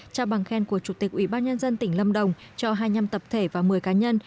trao bằng khen của chủ tịch ủy ban nhân dân tỉnh lâm đồng cho hai mươi năm tập thể và một mươi cá nhân